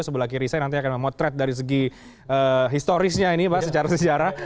sebelah kiri saya nanti akan memotret dari segi historisnya ini pak secara sejarah